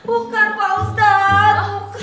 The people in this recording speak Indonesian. bukan pak ustadz